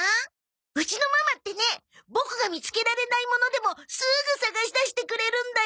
うちのママってねボクが見つけられないものでもすぐ捜し出してくれるんだよ。